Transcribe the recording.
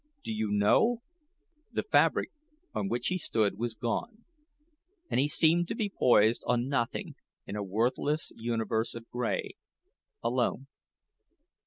Do you know " The fabric on which he stood was gone, and he seemed to be poised on nothing in a worldless universe of gray alone.